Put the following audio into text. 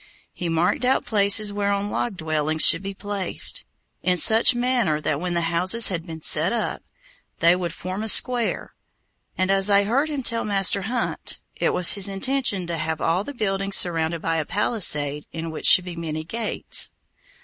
He marked out places whereon log dwellings should be placed, in such manner that when the houses had been set up, they would form a square, and, as I heard him tell Master Hunt, it was his intention to have all the buildings surrounded by a palisade in which should be many gates.